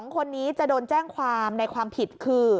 ๒คนนี้จะโดนแจ้งความในความผิดคือ